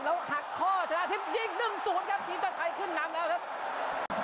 แล้วหักข้อชนะทิพย์ยิง๑๐ครับทีมชาติไทยขึ้นนำแล้วครับ